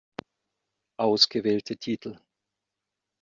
Ausgewählte Titel